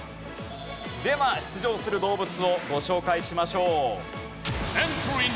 では出場する動物をご紹介しましょう。